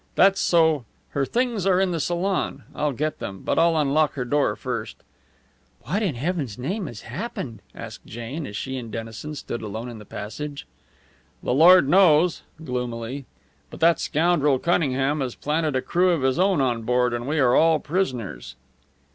That's so her things are in the salon. I'll get them, but I'll unlock her door first." "What in heaven's name has happened?" asked Jane as she and Dennison stood alone in the passage. "The Lord knows!" gloomily. "But that scoundrel Cunningham has planted a crew of his own on board, and we are all prisoners."